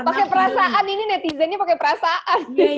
pakai perasaan ini netizennya pakai perasaan